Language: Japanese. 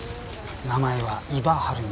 名前は伊庭晴美。